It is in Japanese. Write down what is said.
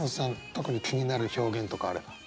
特に気になる表現とかあれば。